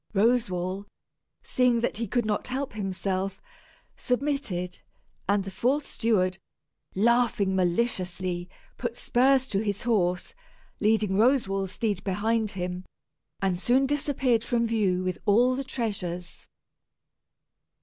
Roswal, seeing that he could not help himself, submitted, and the false steward, laughing maliciously, put spurs to his horse, leading Roswal's steed behind him, and soon disappeared from view with all the treasures.